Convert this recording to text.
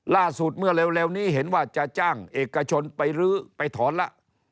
ล่าสุดเมื่อเร็วนี้เห็นว่าจะจ้างเอกชนไปรื้อไปถอนละ